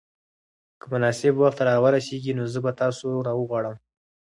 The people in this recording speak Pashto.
که مناسب وخت را ورسېږي نو زه به تاسو راوغواړم.